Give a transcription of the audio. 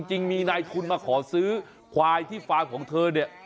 จริงมีนายทุนมาขอซื้อควายที่ฟาร์มของเธอเนี่ย